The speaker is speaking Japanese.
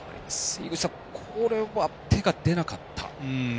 井口さん、これは手が出なかった？